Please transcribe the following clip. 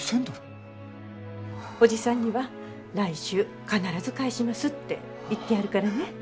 おじさんには来週必ず返しますって言ってあるからね。